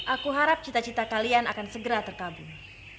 aku harap cita cita kalian akan segera terkabung